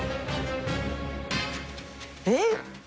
えっ？